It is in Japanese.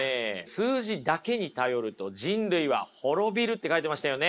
数字だけに頼ると人類は滅びるって書いてましたよね。